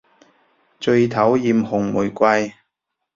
最討厭紅玫瑰